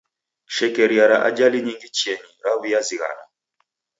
Shekeria ra ajali nyingi chienyi raw'iazighanwa.